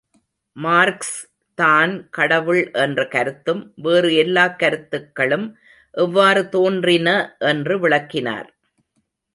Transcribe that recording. மார்க்ஸ்தான் கடவுள் என்ற கருத்தும், வேறு எல்லாக் கருத்துக்களும் எவ்வாறு தோன்றின என்று விளக்கினார்.